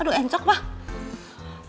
aduh encoq pak